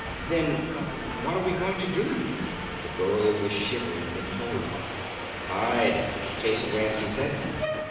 "Then what are we going to do?" The girl was shivering with cold. "Hide," Jason Ramsey said.